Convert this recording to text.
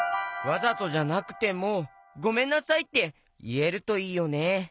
わざとじゃなくても「ごめんなさい」っていえるといいよね。